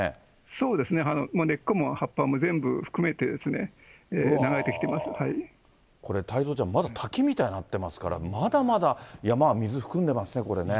そうですね、根っこも葉っぱも全部含めてですね、これ、太蔵ちゃん、まだ滝みたいになってますから、まだまだ山は水含んでますね、これね。